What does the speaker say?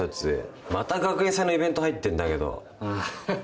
また学園祭のイベント入ってんだけど。